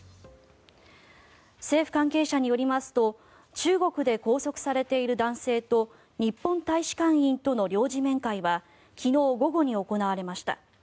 政府関係者によりますと中国で拘束されている男性と日本大使館員との領事面会は昨日午後に行われました。